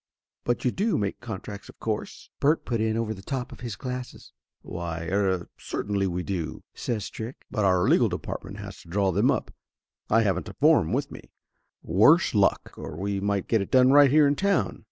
"But you do make contracts of course?" Bert put in over the top of his glasses. "Why er certainly we do!" says Strick. "But our legal department has to draw them up. I haven't a form with me, worse luck, or we might get it done right here in town."